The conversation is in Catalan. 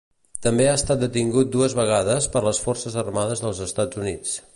També ha estat detingut dues vegades per les forces armades dels Estats Units.